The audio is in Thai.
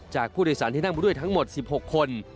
จากผู้โดยสารที่นั่งมาด้วยทั้งหมด๑๖คน